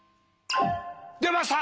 出ました。